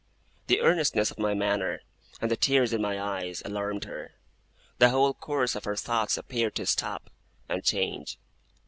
The earnestness of my manner, and the tears in my eyes, alarmed her. The whole course of her thoughts appeared to stop, and change.